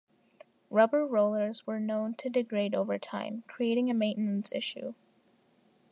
Rubber rollers were known to degrade over time, creating a maintenance issue.